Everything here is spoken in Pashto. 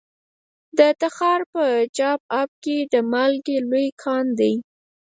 د تخار په چاه اب کې د مالګې لوی کان دی.